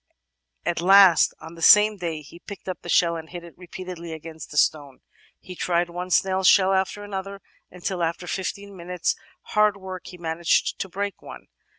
At last on the same day he picked up a shell and hit it repeatedly against a stone. He tried one snail's shell after another, until after fifteen minutes' hard work he managed to break one.